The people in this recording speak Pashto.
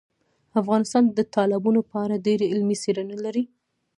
افغانستان د تالابونو په اړه ډېرې علمي څېړنې لري.